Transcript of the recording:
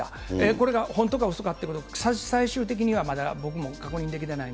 これが本当かうそかというのは、最終的にはまだ僕も確認できてない。